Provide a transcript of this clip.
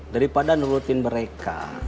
daripada nurutin mereka